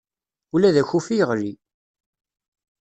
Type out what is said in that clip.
Ula d akufi yeɣli.